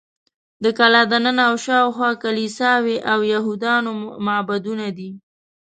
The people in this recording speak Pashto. د کلا دننه او شاوخوا کلیساوې او یهودانو معبدونه دي.